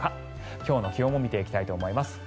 今日の気温も見ていきたいと思います。